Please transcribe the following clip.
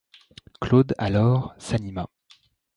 Claude, alors, s'anima.